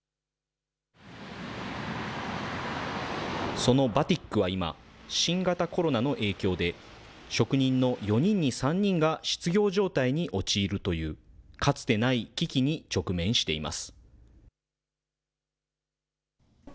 そのバティックは今、新型コロナの影響で、職人の４人に３人が失業状態に陥るという、かつてない危機に直面しています。